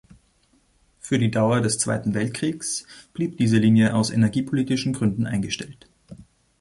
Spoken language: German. Für die Dauer des Zweiten Weltkrieges blieb diese Linie aus energiepolitischen Gründen eingestellt.